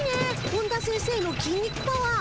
本田先生のきん肉パワー。